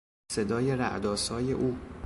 صدای رعد آسای او